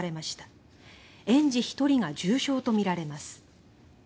園児１人が重傷とみられます。